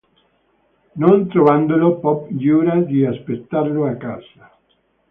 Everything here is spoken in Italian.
Non trovandolo, Pop giura di aspettarlo a casa.